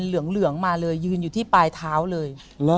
เหลืองมาเลยยืนอยู่ที่ปลายเท้าเลย